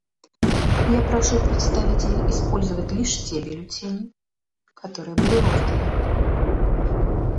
Я прошу представителей использовать лишь те бюллетени, которые были розданы.